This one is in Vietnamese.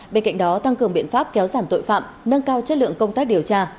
bên cạnh đó tăng cường biện pháp kéo giảm tội phạm nâng cao chất lượng công tác điều tra